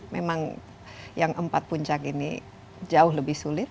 memang yang empat puncak ini jauh lebih sulit